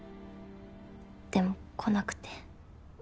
でも来なくて。